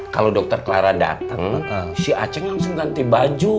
kalau dokter clara dateng si acing langsung ganti baju